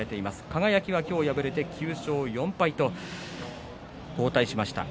輝は今日敗れて９勝４敗と後退しました。